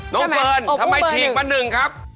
น้องเฟิร์นทำไมฉีกปะหนึ่งครับ